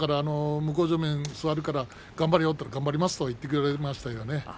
向正面に座るから頑張れよと言ったら頑張りますと言ってくれましたけれどもね。